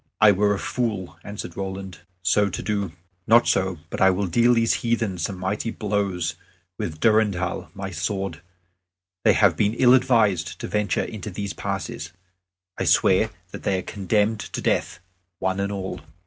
"I were a fool," answered Roland, "so to do. Not so; but I will deal these heathen some mighty blows with Durendal, my sword. They have been ill advised to venture into these passes. I swear that they are condemned to death, one and all."